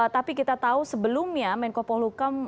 tapi kita tahu sebelumnya menko polukam